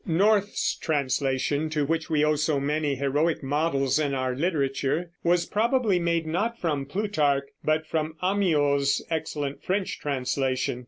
North's translation, to which we owe so many heroic models in our literature, was probably made not from Plutarch but from Amyot's excellent French translation.